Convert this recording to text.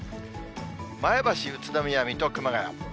前橋、宇都宮、水戸、熊谷。